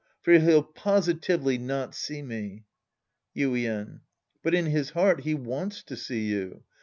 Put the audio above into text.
For he'll posi tively not see me. Ytden. But in his heart, he wants to see you.